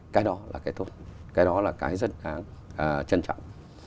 cái đó là cái tốt cái đó là cái rất trân trọng